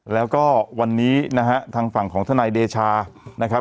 แล้วก็วันนี้นะฮะทางฝั่งของทนายเดชานะครับ